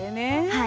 はい。